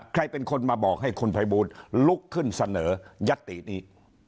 ใครเป็นคนมาบอกให้คุณไภบูรคุณสะเหนือยัติินี้